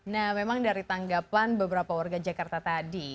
nah memang dari tanggapan beberapa warga jakarta tadi